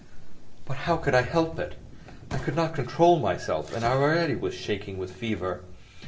But how could I help it? I could not control myself and was already shaking with fever.